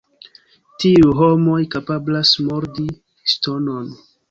Tiuj homoj kapablas mordi ŝtonon!